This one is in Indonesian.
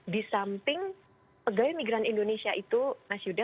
di samping pegawai migran indonesia itu mas yuda